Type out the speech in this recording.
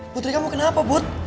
putri kamu kenapa put